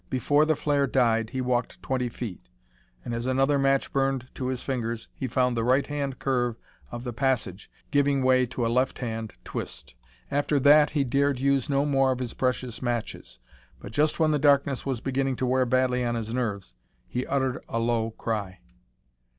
Before the flare died he walked twenty feet, and as another match burned to his fingers, he found the right hand curve of the passage giving way to a left hand twist. After that he dared use no more of his precious matches. But just when the darkness was beginning to wear badly on his nerves, he uttered a low cry.